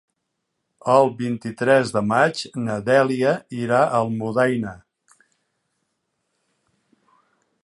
El vint-i-tres de maig na Dèlia irà a Almudaina.